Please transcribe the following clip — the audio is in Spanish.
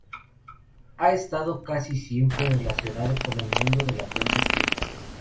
Ha estado casi siempre relacionado con el mundo de la prensa escrita.